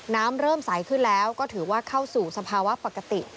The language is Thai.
น้ำเริ่มใสขึ้นแล้วก็ถือว่าเข้าสู่สภาวะปกติ